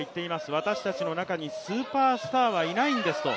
私たちの中にスーパースターはいないんですと。